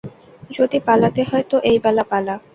যদি পালাতে হয় তো এইবেলা পালা।